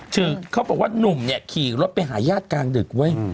คือเขาบอกว่านุ่มเนี่ยขี่รถไปหาญาติกลางดึกเว้ย